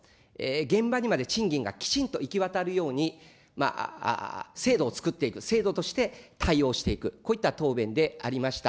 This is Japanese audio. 現場にまで賃金がきちんと行き渡るように、制度を作っていく、制度として対応していく、こういった答弁でありました。